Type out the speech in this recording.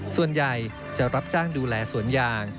ส่วนใหญ่จะรับจ้างดูแลสวนยาง